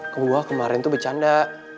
kebuka kemarin tuh becanda